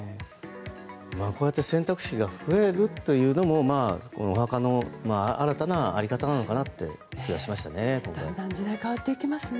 こうやって選択肢が増えるというのもお墓の新たな在り方なのかなって気がしましたね。